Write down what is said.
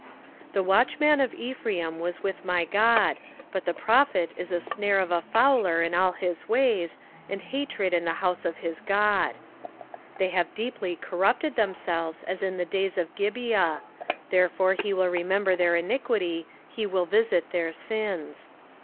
9:8 The watchman of Ephraim was with my God: but the prophet is a snare of a fowler in all his ways, and hatred in the house of his God. 9:9 They have deeply corrupted themselves, as in the days of Gibeah: therefore he will remember their iniquity, he will visit their sins.